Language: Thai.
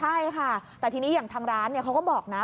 ใช่ค่ะแต่ทีนี้อย่างทางร้านเขาก็บอกนะ